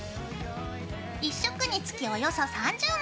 １色につきおよそ３０枚。